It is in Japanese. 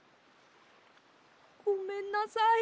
ごめんなさい。